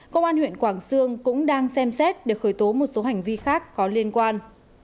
công an huyện quảng sương cũng đang xem xét để khởi tố một số hành vi khác có liên quan